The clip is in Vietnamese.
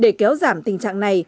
để kéo giảm tình trạng này